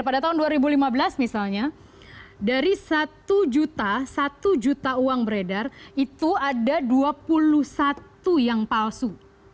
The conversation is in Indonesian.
pada tahun dua ribu lima belas misalnya dari satu juta satu juta uang beredar itu ada dua puluh satu yang palsu